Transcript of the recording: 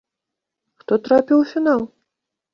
Хто трапіў у фінал?